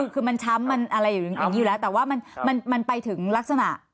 คือมันช้ำมันอะไรอย่างนี้อยู่แล้วแต่ว่ามันไปถึงลักษณะ